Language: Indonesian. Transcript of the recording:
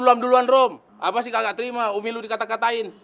si sulam duluan rom apa sih kak gak terima umilu dikata katain